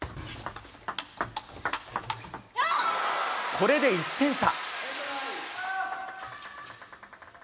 これで１点差。